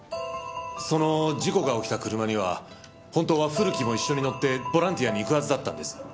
その事故が起きた車には本当は古木も一緒に乗ってボランティアに行くはずだったんです。